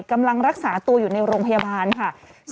กำลังรักษาตัวอยู่ในโรงพยาบาลค่ะ